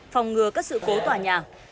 phòng ngừa các sự cố tòa nhà